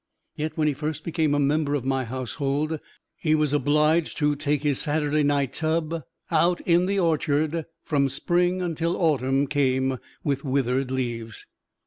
Yet when he first became a member of my household, he was obliged to take his Saturday night tub out in the orchard, from Spring until Autumn came with withered leaves.